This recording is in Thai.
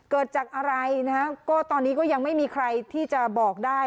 เกิดจากอะไรนะฮะก็ตอนนี้ก็ยังไม่มีใครที่จะบอกได้